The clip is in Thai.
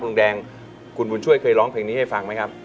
งแดงคุณบุญช่วยเคยร้องเพลงนี้ให้ฟังไหมครับ